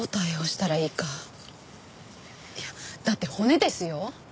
いやだって骨ですよ？